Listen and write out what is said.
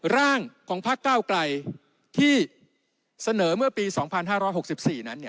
ร่างของพักเก้าไกลที่เสนอเมื่อปี๒๕๖๔นั้น